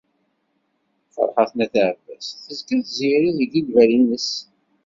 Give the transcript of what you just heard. Ferḥat n At Ɛebbas, tezga Tiziri deg lbal-nnes.